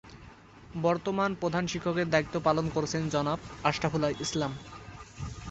বর্তমান প্রধান শিক্ষকের দায়িত্ব পালন করেছেন জনাব আশরাফুল ইসলাম।